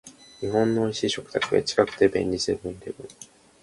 日本の美味しい食卓へ、近くて便利、セブンイレブン